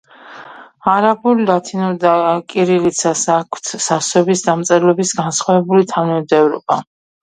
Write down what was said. არაბულ, ლათინურ და კირილიცას აქვთ ასოების დამწერლობის განსხვავებული თანმიმდევრობა.